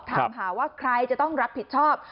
ถามหาว่าใครจะต้องรับผิดชอบ